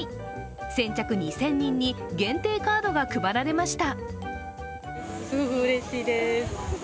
先着２０００人に限定カードが配られました。